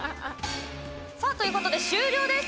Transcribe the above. さあ、ということで終了です。